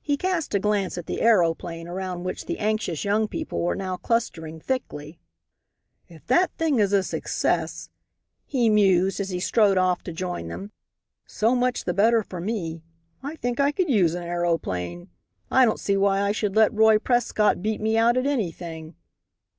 He cast a glance at the aeroplane around which the anxious young people were now clustering thickly. "If that thing is a success," he mused, as he strode off to join them, "so much the better for me. I think I could use an aeroplane. I don't see why I should let Roy Prescott beat me out at anything.